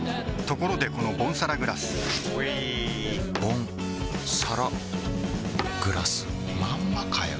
ところでこのボンサラグラスうぃボンサラグラスまんまかよ